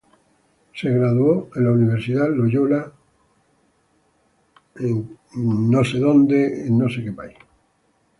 Se graduó de la Universidad Loyola Marymount en Los Angeles, California.